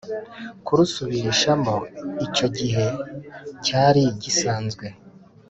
Kurusubirishamo icyo gihe cyari gisanzwe